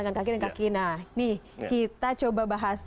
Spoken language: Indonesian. nah nih kita coba bahas